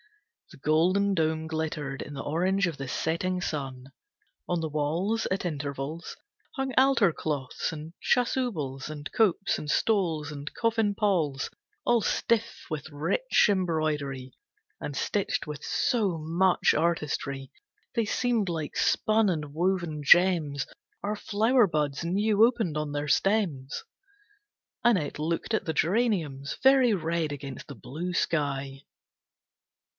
The golden dome glittered in the orange of the setting sun. On the walls, at intervals, hung altar cloths and chasubles, and copes, and stoles, and coffin palls. All stiff with rich embroidery, and stitched with so much artistry, they seemed like spun and woven gems, or flower buds new opened on their stems. Annette looked at the geraniums, very red against the blue sky.